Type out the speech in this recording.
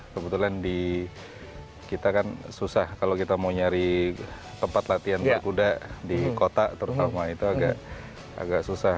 kebetulan di kita kan susah kalau kita mau nyari tempat latihan berkuda di kota terutama itu agak susah